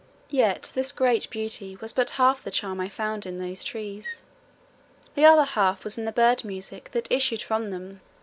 Yet this great beauty was but half the charm I found in these trees: the other half was in the bird music that issued from them.